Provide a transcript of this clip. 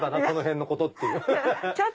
この辺のことっていう。